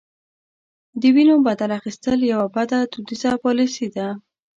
د وینو بدل اخیستل یوه بده دودیزه پالیسي ده.